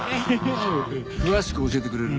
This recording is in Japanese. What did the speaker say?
詳しく教えてくれる？